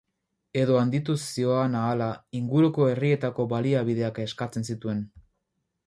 Edo handituz zihoan ahala inguruko herrietako baliabideak eskatzen zituen.